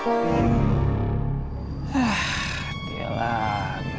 ah ya lah